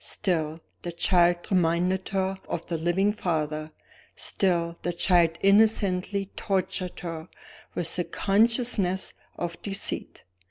Still, the child reminded her of the living father; still, the child innocently tortured her with the consciousness of deceit.